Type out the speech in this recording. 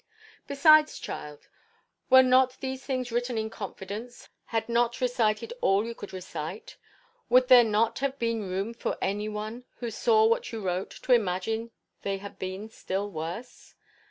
Besides, child, were not these things written in confidence had not recited all you could recite, would there not have been room for any one, who saw what you wrote, to imagine they had been still worse?